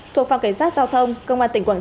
thuộc phòng cảnh sát giao thông